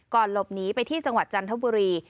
หลบหนีไปที่จังหวัดจันทบุรี